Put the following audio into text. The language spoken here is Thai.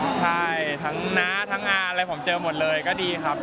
ใช่ทั้งน้าทั้งงานอะไรผมเจอหมดเลยก็ดีครับ